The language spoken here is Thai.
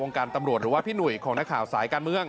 การตำรวจหรือว่าพี่หนุ่ยของนักข่าวสายการเมือง